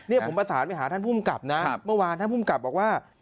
นี่ผมประสานไปหาท่านภูมิกับนะเมื่อวานท่านภูมิกับบอกว่า